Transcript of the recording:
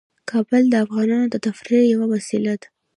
کابل د افغانانو د تفریح یوه وسیله ده.